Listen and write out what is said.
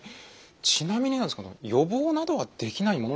ちなみになんですが予防などはできないものですか？